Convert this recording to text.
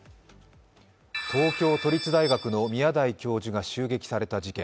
東京都立大学教授の宮台教授が襲撃された事件。